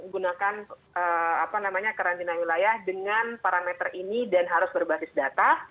gunakan karantina wilayah dengan parameter ini dan harus berbasis data